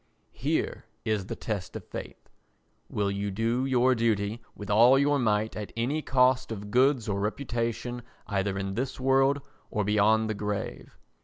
Here is the test of faith—will you do your duty with all your might at any cost of goods or reputation either in this world or beyond the grave?